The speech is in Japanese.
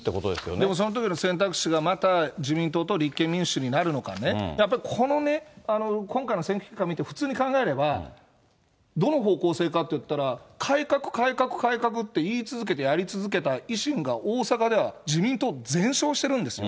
でもそのときの選択肢がまた自民党と立憲民主になるのかね、やっぱりこのね、この選挙期間見て、普通に考えれば、どの方向性かっていったら、改革改革改革って言い続けてやり続けた維新が大阪では自民党全勝してるんですよ。